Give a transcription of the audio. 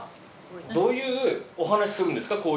どういうお話するんですか？